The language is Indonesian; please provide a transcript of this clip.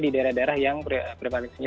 di daerah daerah yang prevalensinya